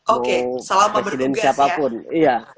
oke selama berdugas ya